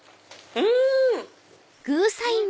うん！